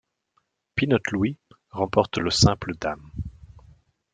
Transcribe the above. Peanut Louie remporte le simple dames.